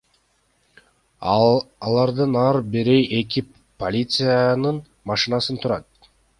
Алардын ар бири эки полициянын машинасынан турат.